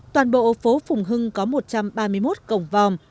toàn bộ phố phùng hưng có một trăm ba mươi một cổng vòm